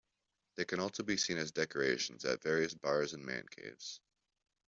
They can also be seen as decorations at various bars and man caves.